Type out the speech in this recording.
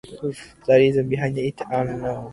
The reasons behind it are unknown.